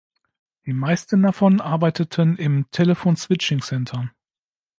Die meisten davon arbeiteten im „Telephone Switching Center“.